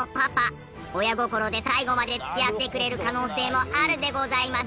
親心で最後まで付き合ってくれる可能性もあるでございます。